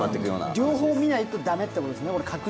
両方見ないと駄目ということね？